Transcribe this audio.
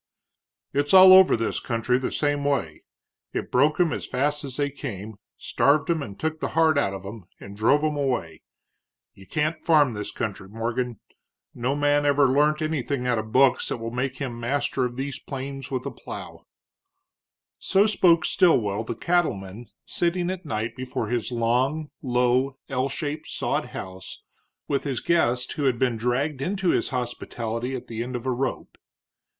"It's all over this country the same way. It broke 'em as fast as they came, starved 'em and took the heart out of 'em and drove 'em away. You can't farm this country, Morgan; no man ever learnt anything out of books that will make him master of these plains with a plow." So spoke Stilwell, the cattleman, sitting at night before his long, low, L shaped sod house with his guest who had been dragged into his hospitality at the end of a rope.